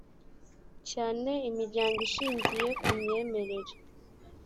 cyane imiryango ishingiye ku myemerere